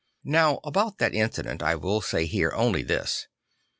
No,v about that incident I will here only say this.